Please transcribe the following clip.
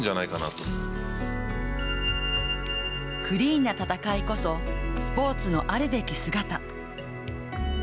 クリーンな戦いこそスポーツのあるべき姿。